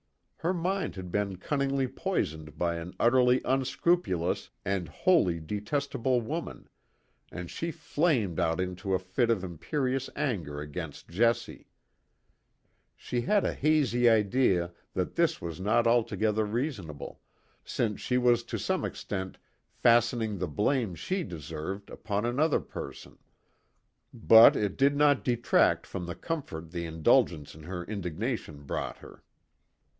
Her mind had been cunningly poisoned by an utterly unscrupulous and wholly detestable woman, and she flamed out into a fit of imperious anger against Jessie. She had a hazy idea that this was not altogether reasonable, since she was to some extent fastening the blame she deserved upon another person; but it did not detract from the comfort the indulgence in her indignation brought her.